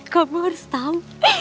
kamu harus tahu